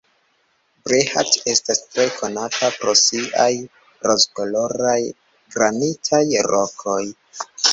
Brehat estas tre konata pro siaj rozkoloraj granitaj rokoj.